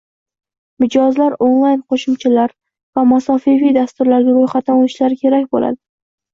Mijozlar onlayn qo'shimchalar va masofaviy dasturlarga ro'yxatdan o'tishlari kerak bo'ladi